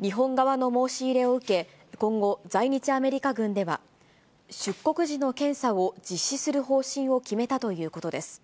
日本側の申し入れを受け、今後、在日アメリカ軍では、出国時の検査を実施する方針を決めたということです。